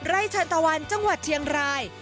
ชันตะวันจังหวัดเชียงราย